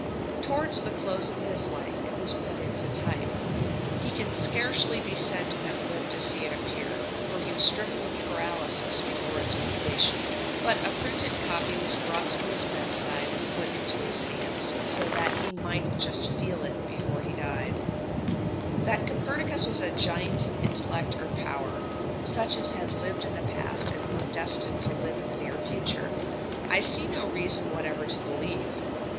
Towards the close of his life it was put into type. He can scarcely be said to have lived to see it appear, for he was stricken with paralysis before its completion; but a printed copy was brought to his bedside and put into his hands, so that he might just feel it before he died. [Illustration: FIG. 3. Copernicus.] That Copernicus was a giant in intellect or power such as had lived in the past, and were destined to live in the near future I see no reason whatever to believe.